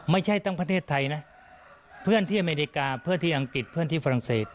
ไม่ใช่ทั้งประเทศไทยนะเพื่อนที่อเมริกาเพื่อนที่อังกฤษเพื่อนที่ฝรั่งเศส